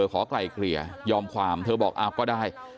ไกลเกลี่ยยอมความเธอบอกอ้าวก็ได้